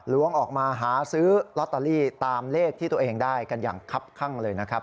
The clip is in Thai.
ล้วงออกมาหาซื้อลอตเตอรี่ตามเลขที่ตัวเองได้กันอย่างคับข้างเลยนะครับ